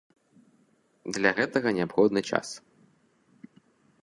Для гэтага неабходны час.